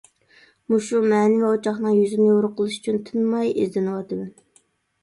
مۇشۇ مەنىۋى ئوچاقنىڭ يۈزىنى يورۇق قىلىش ئۈچۈن تىنماي ئىزدىنىۋاتىمەن.